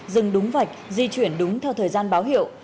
dừng đúng vạch di chuyển đúng theo thời gian báo hiệu